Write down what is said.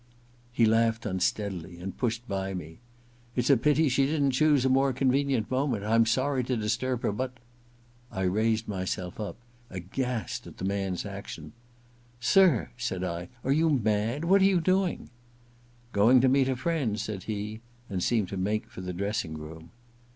He laughed unsteadily and pushed by me. * It's a pity she didn't choose a more convenient moment. I'm sorry to disturb her, but ' 156 THE LADrS MAID^S BELL iv I raised myself up, aghast at the man's action. * Sir,' said I, * are you mad ? What are you doing ?'' Going to meet a friend/ said he, and seemed to make for the dressing room.